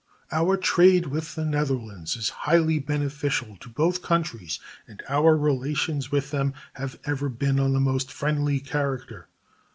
Our trade with the Netherlands is highly beneficial to both countries and our relations with them have ever been of the most friendly character.